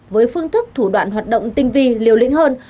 với phương thức thủ đoạn hoạt động tinh vi liều lĩnh hơn